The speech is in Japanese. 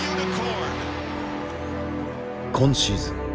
今シーズン